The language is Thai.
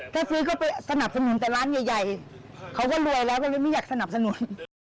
ถ้าซื้อก็ไปสนับสนุนแต่ร้านใหญ่เขาก็รวยแล้วก็เลยไม่อยากสนับสนุน